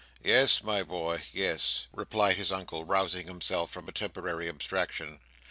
"Yes, my boy, yes," replied his Uncle, rousing himself from a temporary abstraction.